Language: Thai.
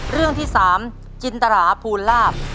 เรื่องที่๓จินตราภูลาภ